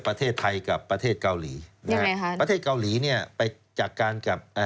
ประเทศไทยกับประเทศเกาหลียังไงครับประเทศเกาหลีเนี่ยไปจากการกับ